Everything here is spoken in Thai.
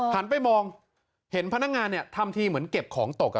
หันไปมองเห็นพนักงานทำทีเหมือนเก็บของตก